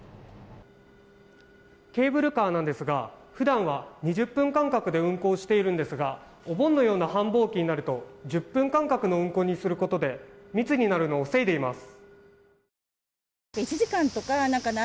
ケーブルカーなんですが普段は２０分間隔で運行しているんですがお盆のような繁忙期になると１０分間隔の運行にすることで密になるのを防いでいます。